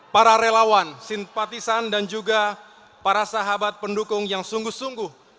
para relawan simpatisan dan juga para sahabat pendukung yang sungguh sungguh